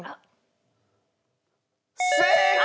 正解！